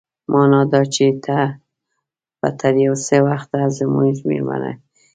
مانا دا چې ته به تر يو څه وخته زموږ مېلمه يې.